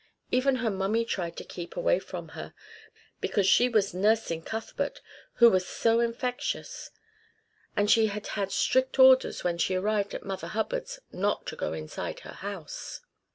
Even her mummy tried to keep away from her, because she was nursing Cuthbert, who was so infectious; and she had had strict orders when she arrived at Mother Hubbard's not to go inside her house.